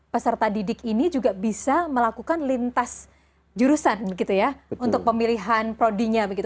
peserta didik ini juga bisa melakukan lintas jurusan untuk pemilihan pro dinya